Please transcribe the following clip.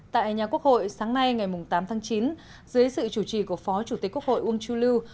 tại nhà quốc hội sáng nay ngày tám tháng chín dưới sự chủ trì của phó chủ tịch quốc hội uông chu lưu